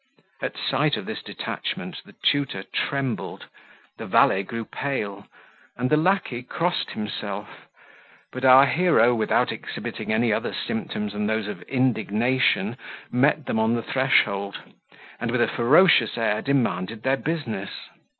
At sight of this detachment the tutor trembled, the valet grew pale, and the lacquey crossed himself; but our hero, without exhibiting any other symptoms than those of indignation, met them on the threshold, and with a ferocious air demanded their business.